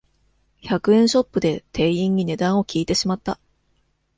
百円ショップで店員に値段を聞いてしまった